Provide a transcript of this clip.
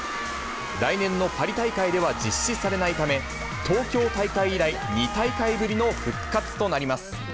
来年のパリ大会では実施されないため、東京大会以来２大会ぶりの復活となります。